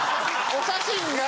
お写真が！